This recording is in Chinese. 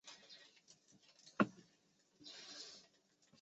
香港殖民地一直是英国在亚太区战略的重要据点。